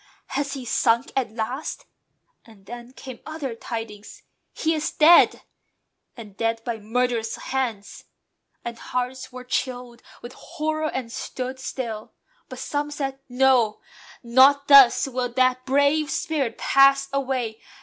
"Has he sunk at last?" And then came other tidings; "He is dead! And dead by murderous hands!" And hearts were chilled With horror, and stood still. But some said, "No! Not thus will that brave spirit pass away.